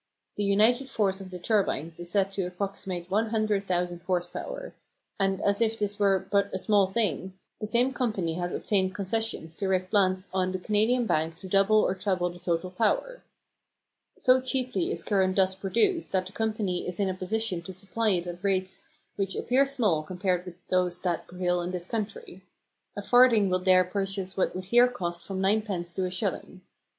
The united force of the turbines is said to approximate 100,000 horse power; and as if this were but a small thing, the same Company has obtained concessions to erect plant on the Canadian bank to double or treble the total power. So cheaply is current thus produced that the Company is in a position to supply it at rates which appear small compared with those that prevail in this country. A farthing will there purchase what would here cost from ninepence to a shilling.